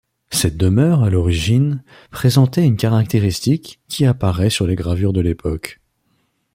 Cette demeure, à l'origine, présentait une caractéristique, qui apparaît sur les gravures de l'époque.